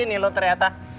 di sini lo ternyata